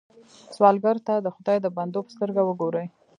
سوالګر ته د خدای د بندو په سترګه وګورئ